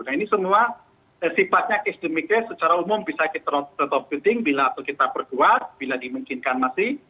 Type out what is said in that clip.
nah ini semua sifatnya case demi case secara umum bisa kita top cutting bila kita perkuat bila dimungkinkan masih